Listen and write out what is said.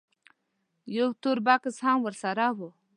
یو تور بکس هم ورسره و.